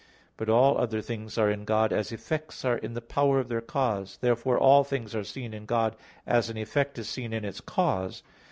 But all other things are in God as effects are in the power of their cause. Therefore all things are seen in God as an effect is seen in its cause.